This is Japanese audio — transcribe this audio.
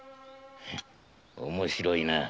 面白いな。